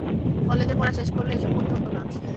কলেজের পড়া শেষ করলে, এসব পড়তে হতো না আজ।